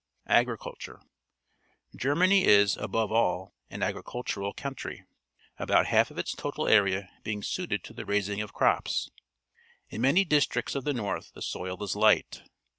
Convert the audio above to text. Agriculture. — Germany is, above all, an agricultural country, about half of its total area being suited to the raising of crops. In many districts of the north the soil is light.